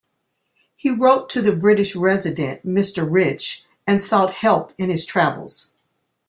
He wrote to the British resident Mr. Rich and sought help in his travels.